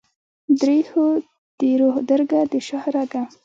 درېښو دروح درګه ، دشاهرګه